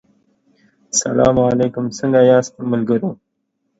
سلا علیکم څنګه یاست ملګرو